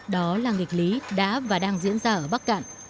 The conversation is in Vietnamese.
đó là nghịch lý đã và đang diễn ra ở bắc cạn